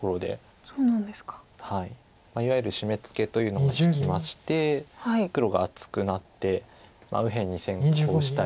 いわゆるシメツケというのが利きまして黒が厚くなって右辺に先行したり。